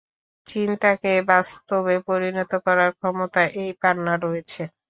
চিন্তাকে বাস্তবে পরিণত করার ক্ষমতা এই পান্নার রয়েছে।